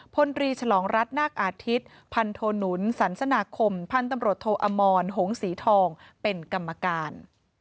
พลตรีฉลองรัฐนาคอาทิตย์พันโทหนุนสันสนาคมพันธุ์ตำรวจโทอมรหงศรีทองเป็นกรรมการ